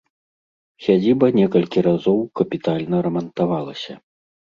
Сядзіба некалькі разоў капітальна рамантавалася.